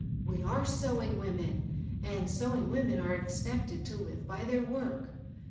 Wo are sewing women, and sewing women are ex pected to live by their work.